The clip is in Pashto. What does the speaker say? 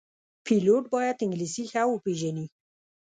پیلوټ باید انګلیسي ښه وپېژني.